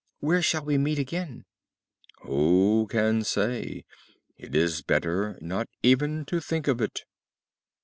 "Where shall we meet again?" "Who can say? It is better not even to think of it!"